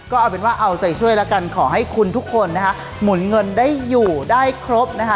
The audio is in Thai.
ก็เอาเป็นว่าเอาใจช่วยแล้วกันขอให้คุณทุกคนนะคะหมุนเงินได้อยู่ได้ครบนะคะ